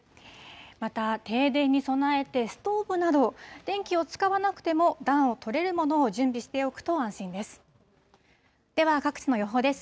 また停電に備えて、ストーブなど、電気を使わなくても暖をとれるものを準備しておくと安心です。